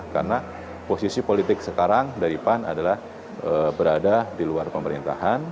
karena posisi politik sekarang dari pan adalah berada di luar pemerintahan